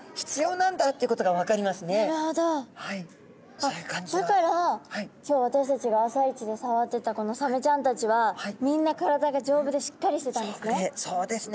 あっだから今日私たちが朝一で触ってたこのサメちゃんたちはみんな体が丈夫でしっかりしてたんですね。